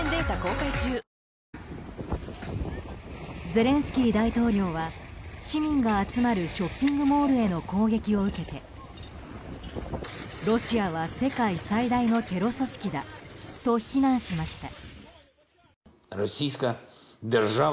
ゼレンスキー大統領は市民が集まるショッピングモールへの攻撃を受けてロシアは世界最大のテロ組織だと非難しました。